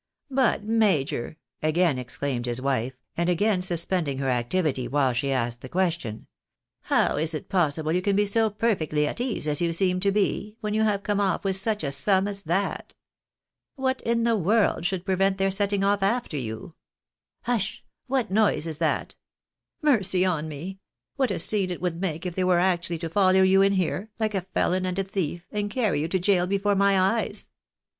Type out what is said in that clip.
"But, major," again exclaimed his wife, and again suspending Ler activity while she asked the question, " how is it possible you can be so perfectly at ease as you seem to be, when you have come off with such a sum as that ? What in the world should prevent their setting off after you ? Hush ! what noise is that ? Mercy on me ! What a scene it would make if they were actually to follow you in here, like a felon and a thief, and carry you to gaol before my eyes